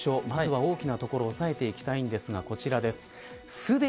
まずは、大きなところを押さえていきたいですがこちらです。